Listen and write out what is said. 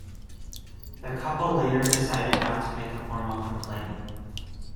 The couple later decided not to make a formal complaint.